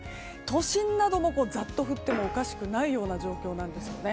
都心なども、ざっと降ってもおかしくない状況です。